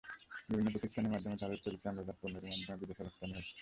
বিভিন্ন প্রতিষ্ঠানের মাধ্যমে তাঁদের তৈরি চামড়াজাত পণ্য এরই মধ্যে বিদেশে রপ্তানি হচ্ছে।